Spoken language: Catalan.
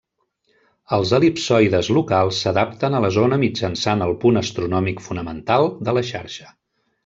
Els el·lipsoides locals s'adapten a la zona mitjançant el punt astronòmic fonamental de la xarxa.